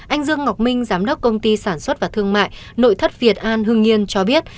anh dương ngọc minh giám đốc công ty sản xuất và thương mại nội thất việt an hưng yên cho biết